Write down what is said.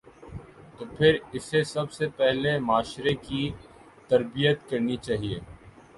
تو پھر اسے سب سے پہلے معاشرے کی تربیت کرنی چاہیے۔